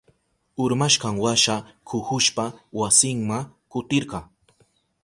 Urmashkanwasha kuhushpa wasinma kutirka.